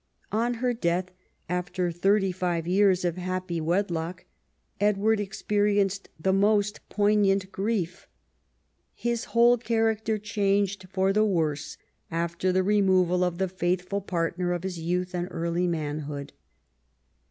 On her death, after thirty five years of happy wedlock, Edward experienced the most poignant grief. His whole character changed for the worse after the removal of the faithful partner of his youth and early manhood.